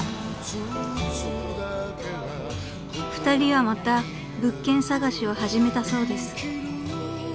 ［２人はまた物件探しを始めたそうです］